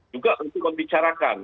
juga untuk membicarakan